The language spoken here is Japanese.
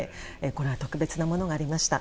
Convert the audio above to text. これは特別なものがありました。